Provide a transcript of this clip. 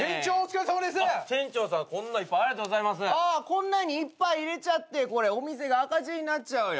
こんなにいっぱい入れちゃってこれお店が赤字になっちゃうよ。